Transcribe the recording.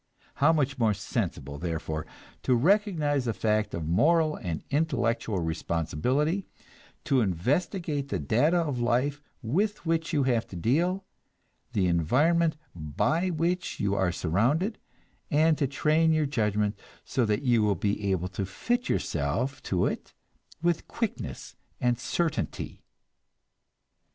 How much more sensible, therefore, to recognize the fact of moral and intellectual responsibility; to investigate the data of life with which you have to deal, the environment by which you are surrounded, and to train your judgment so that you will be able to fit yourself to it with quickness and certainty!